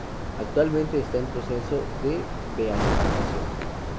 Actualmente está en proceso de beatificación.